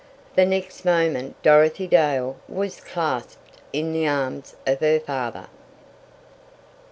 The next moment Dorothy Dale was clasped in the arms of her father.